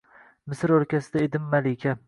Misr o’lkasida edim malika